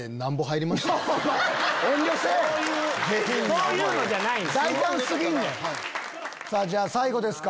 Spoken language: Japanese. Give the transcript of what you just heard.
そういうのじゃないの。